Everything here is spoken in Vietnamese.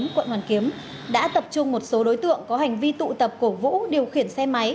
quận hoàn kiếm đã tập trung một số đối tượng có hành vi tụ tập cổ vũ điều khiển xe máy